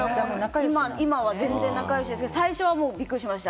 今は全然仲良しですけれども、最初はびっくりしました。